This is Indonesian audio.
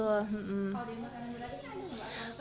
kalau makanan berat ini ada juga